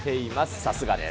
さすがです。